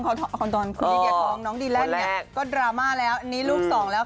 ตอนคุณลีเดียท้องน้องดีแลนด์เนี่ยก็ดราม่าแล้วอันนี้ลูกสองแล้ว